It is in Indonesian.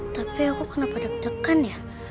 tapi aku kenapa deg degan ya